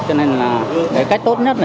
để giúp đỡ các người